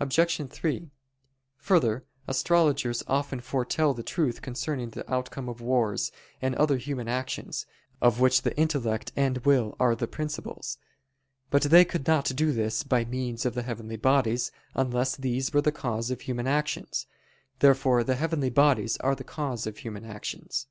Obj. 3: Further, astrologers often foretell the truth concerning the outcome of wars, and other human actions, of which the intellect and will are the principles. But they could not do this by means of the heavenly bodies, unless these were the cause of human actions. Therefore the heavenly bodies are the cause of human actions.